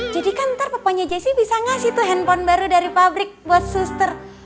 jadi kan nanti papanya jessy bisa ngasih tuh handphone baru dari pabrik buat suster